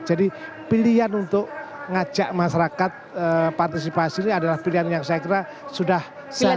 jadi pilihan untuk ngajak masyarakat partisipasi ini adalah pilihan yang saya kira sudah seharusnya